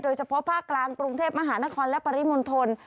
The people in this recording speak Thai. เฉพาะภาคกลางกรุงเทพมหานครและปริมณฑล